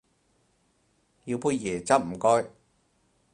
要杯椰汁唔該